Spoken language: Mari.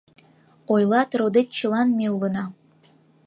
Ойлат: «Родет чылан ме улына